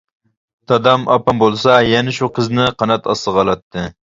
دادام، ئاپام بولسا يەنە شۇ قىزنى قانات ئاستىغا ئالاتتى.